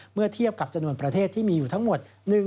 เมื่อเทียบกับจำนวนประเทศที่มีอยู่ทั้งหมด